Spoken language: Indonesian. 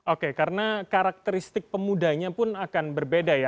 oke karena karakteristik pemudanya pun akan berbeda ya